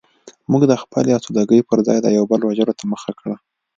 موږ د خپلې اسودګۍ پرځای د یو بل وژلو ته مخه کړه